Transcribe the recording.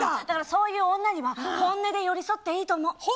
だからそういう女には本音で寄り添っていいと思う。